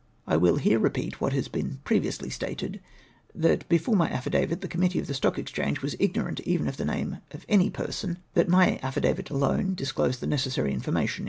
I Avill here repeat wliat has been previously stated, that before my affidavit the committee of the Stock Exchange was ignorant even of the name of any person, VOL. II. Z 338 MY CARELESSNESS OF THE MATTER. that my affidavit alone disclosed the necessary informa tion.